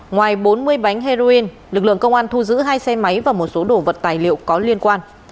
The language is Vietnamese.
ngoài bốn mươi bánh heroin lực lượng công an thu giữ hai xe máy và một số đồ vật tài liệu có liên quan